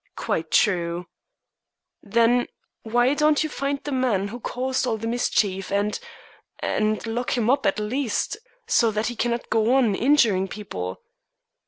"Quite true." "Then why don't you find the man who caused all the mischief and and lock him up at least, so that he cannot go on injuring people?"